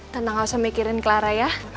tentang gak usah mikirin clara ya